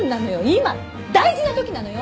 今大事な時なのよ！